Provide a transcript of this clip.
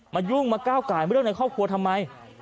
ยุ่งมาก้าวไก่เรื่องในครอบครัวทำไม